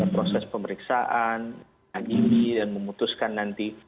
proses pemeriksaan agini dan memutuskan nanti